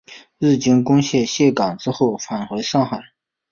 日军攻陷陷港之后返回上海。